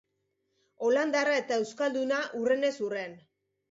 Holandarra eta euskalduna hurrenez hurren.